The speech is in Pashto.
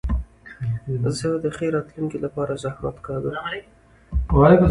زه د ښې راتلونکي له پاره زحمت کاږم.